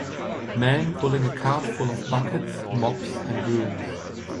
Man pulling a cart full of buckets, mops and brooms.